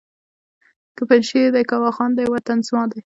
که پنجشېر دی که واخان دی وطن زما دی!